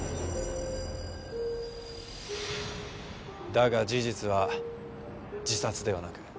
だが事実は自殺ではなく。